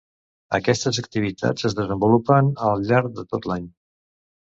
Aquestes activitats es desenvolupen al llarg de tot l’any.